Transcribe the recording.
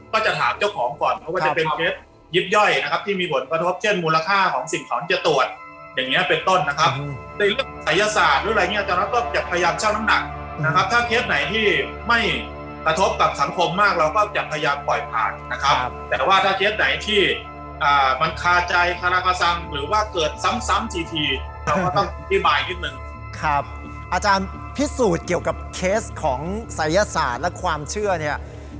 ก็จะถามเจ้าของก่อนเพราะว่าจะเป็นเคสยิบย่อยนะครับที่มีผลกระทบเช่นมูลค่าของสิ่งของจะตรวจอย่างเงี้ยเป็นต้นนะครับในเรื่องศัยศาสตร์หรืออะไรเงี้ยอาจารย์ก็จะพยายามเช่าน้ำหนักนะครับถ้าเคสไหนที่ไม่กระทบกับสังคมมากเราก็จะพยายามปล่อยผ่านนะครับแต่ว่าถ้าเคสไหนที่มันคาใจคาราคาซังหรือว่าเกิ